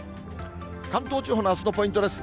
関東地方のあすのポイントです。